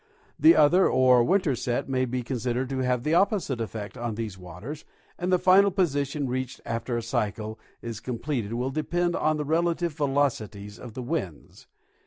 The other, or winter set, may be considered to have the opposite effect on these waters, and the final position reached after a cycle is completed will depend on the relative velocities of the winds.